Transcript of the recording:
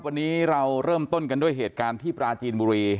วันนี้เราเริ่มต้นกันด้วยเหตุการณ์ที่ปราจีนบุรี